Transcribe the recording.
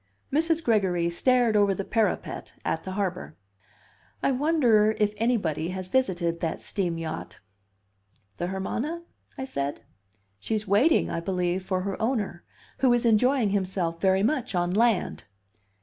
Mrs. Gregory stared over the parapet at the harbor. "I wonder if anybody has visited that steam yacht?" "The Hermana?" I said. "She's waiting, I believe, for her owner, who is enjoying himself very much on land."